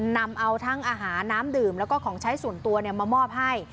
นำเอาทั้งอาหารน้ำดื่มแล้วก็ของใช้ส่วนตัวมามอบให้